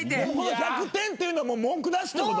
１００点というのは文句なしということ？